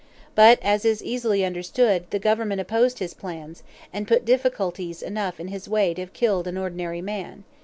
But, as is easily understood, the Government opposed his plans, and put difficulties enough in his way to have killed an ordinary man.